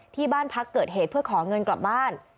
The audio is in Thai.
ที่บ้านพักเกิดเหตุเพื่อขอเงินกลับบ้าน